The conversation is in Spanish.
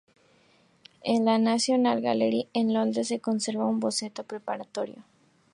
En la National Gallery de Londres se conserva un boceto preparatorio.